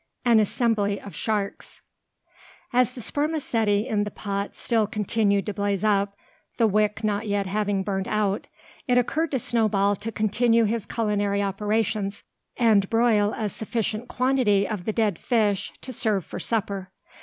AN ASSEMBLY OF SHARKS. As the spermaceti in the pot still continued to blaze up, the wick not yet having burnt out, it occurred to Snowball to continue his culinary operations, and broil a sufficient quantity of the dead fish to serve for supper.